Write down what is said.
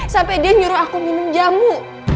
sampai dia nyuruh aku minum jamu